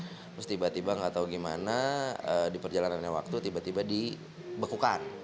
terus tiba tiba nggak tahu gimana di perjalanannya waktu tiba tiba dibekukan